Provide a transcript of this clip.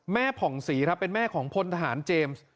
แม่ผ่องศรีเป็นแม่ของพลทหารเจมส์